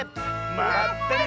まったね！